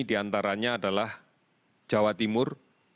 diantaranya adalah jawa timur